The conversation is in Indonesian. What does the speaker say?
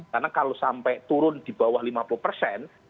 karena kalau sampai turun di bawah lima puluh persen